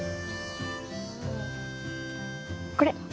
これ